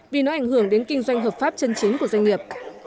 vì nó ảnh hưởng đến kinh doanh hợp pháp chân chính của doanh nghiệp